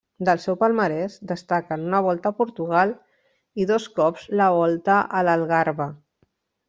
Del seu palmarès destaquen una Volta a Portugal i dos cops la Volta a l'Algarve.